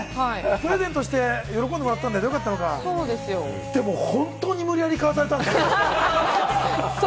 プレゼントして喜んでもらってれば、それで良かったのか、でも本当に無理やり買わされたんだよ！